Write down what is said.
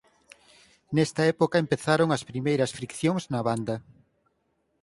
Nesta época empezaron as primeiras friccións na banda.